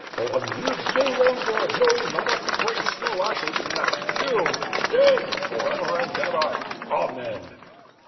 Bohun lives no longer, no, not a trace, no ashes left, killed dead, forever and ever, amen!"